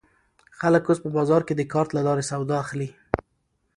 خلک اوس په بازار کې د کارت له لارې سودا اخلي.